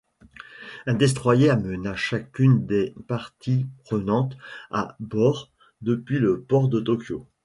Un destroyer amena chacune des parties prenantes à bord depuis le port de Tokyo.